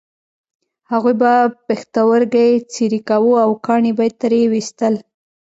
هغوی به پښتورګی څیرې کاوه او کاڼي به یې ترې ویستل.